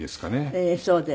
ええそうです。